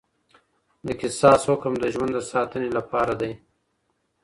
د قصاص حکم د ژوند د ساتني لپاره دی.